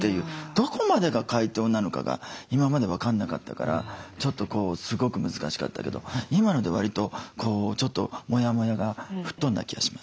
どこまでが解凍なのかが今まで分かんなかったからちょっとすごく難しかったけど今のでわりとちょっとモヤモヤが吹っ飛んだ気がします。